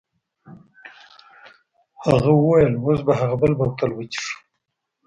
هغه وویل اوس به هغه بل بوتل وڅښو.